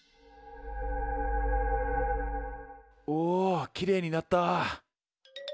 おきれいになった。